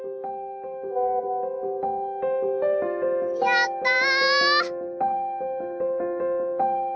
やった！